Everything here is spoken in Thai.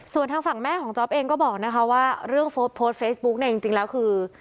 ส่วนทางฝั่งแม่ของจ๊อปเองก็บอกนะคะว่าเรื่องโพสต์เฟซบุ๊กเนี่ยจริงแล้วคือ